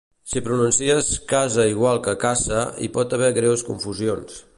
Si pronuncies casa igual que caça hi pot haver greus confusions